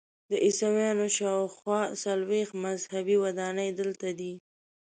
د عیسویانو شاخوا څلویښت مذهبي ودانۍ دلته دي.